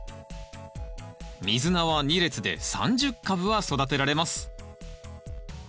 ミズナは２列で３０株は育てられます。